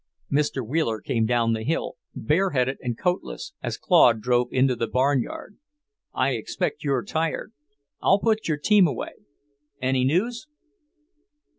Mr. Wheeler came down the hill, bareheaded and coatless, as Claude drove into the barnyard. "I expect you're tired. I'll put your team away. Any news?"